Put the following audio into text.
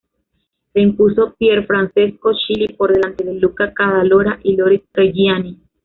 Se impuso Pierfrancesco Chili por delante de Luca Cadalora y Loris Reggiani.